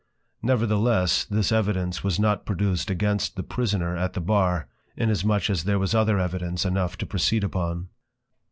Nevertheless, this Evidence was not produced against the Prisoner at the Bar, inasmuch as there was other Evidence enough to proceed upon.